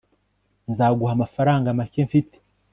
nzaguha amafaranga make mfite